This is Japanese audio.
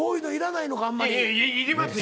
いやいりますよ！